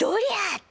って。